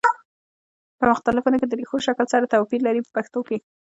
په مختلفو ونو کې د ریښو شکل سره توپیر لري په پښتو کې.